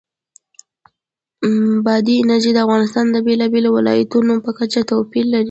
بادي انرژي د افغانستان د بېلابېلو ولایاتو په کچه توپیر لري.